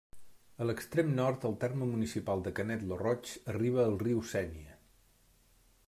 A l'extrem nord el terme municipal de Canet lo Roig arriba al riu Sénia.